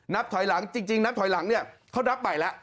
นับถอยหลังจริงนับถอยหลังเขานับไปแล้ว